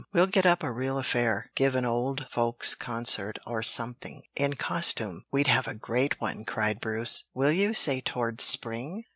"We'll get up a real affair, give an old folks' concert or something, in costume we'd have a great one," cried Bruce. "Will you, say toward spring?"